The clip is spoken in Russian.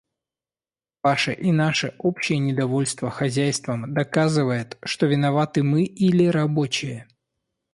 Ваше и наше общее недовольство хозяйством доказывает, что виноваты мы или рабочие.